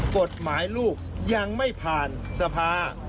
กฎหมายลูกยังไม่ผ่านสภา